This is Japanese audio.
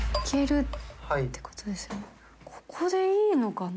ここでいいのかな？